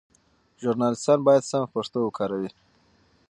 ژورنالیستان باید سمه پښتو وکاروي.